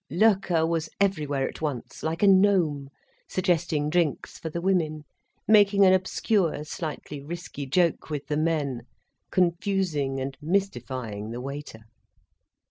_" Loerke was everywhere at once, like a gnome, suggesting drinks for the women, making an obscure, slightly risky joke with the men, confusing and mystifying the waiter.